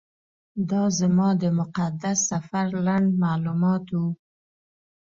دا زما د مقدس سفر لنډ معلومات و.